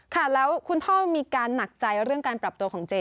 ค่ะแล้วคุณพ่อมีการหนักใจเรื่องการปรับตัวของเจ